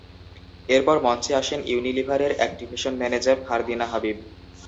এরপর মঞ্চে আসেন ইউনিলিভারের অ্যাকটিভেশন ম্যানেজার ফারদিনা হাবিব।